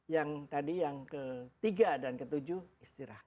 yang tadi yang ke tiga dan ke tujuh istirahat